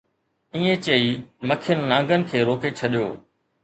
ائين چئي مکين نانگن کي روڪي ڇڏيو